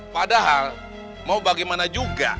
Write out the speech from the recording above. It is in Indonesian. padahal mau bagaimana juga